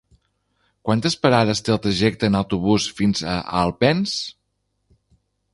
Quantes parades té el trajecte en autobús fins a Alpens?